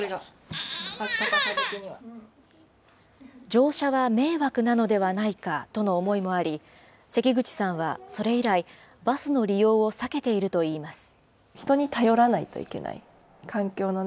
乗車は迷惑なのではないかとの思いもあり、関口さんはそれ以来、バスの利用を避けているといいます。